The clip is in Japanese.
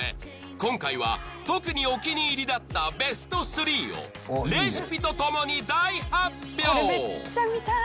今回は特にお気に入りだったベスト３をレシピと共に大発表